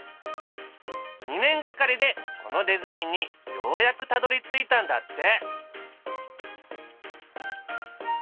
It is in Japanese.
２年がかりでこのデザインにようやくたどりついたんだって。